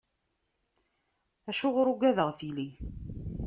Acuɣer ugadeɣ tili?